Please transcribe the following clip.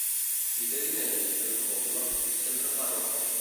Qui té diners, en un poble, sempre fa rogle.